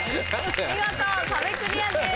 見事壁クリアです。